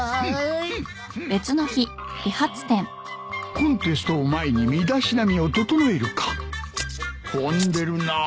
コンテストを前に身だしなみを整えるか混んでるな。